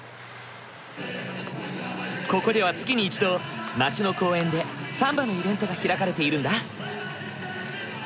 ここでは月に１度町の公園でサンバのイベントが開かれているんだ。